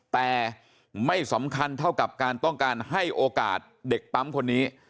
แต่ไม่สำคัญเท่ากับการต้องการให้โอกาสเด็กปั๊มคนนี้